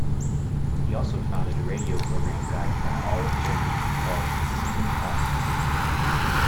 He also founded a radio programme guide for all of Germany, called "Sieben Tage".